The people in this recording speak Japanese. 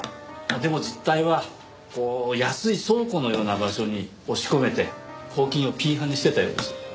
でも実態はこう安い倉庫のような場所に押し込めて公金をピンハネしてたようです。